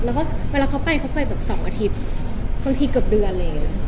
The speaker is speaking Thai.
แล้วเขาไปโดยแบบ๒อาทิตย์บางทีเกือบเดือนเลย